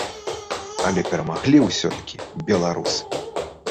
Але перамаглі ўсё-такі беларусы!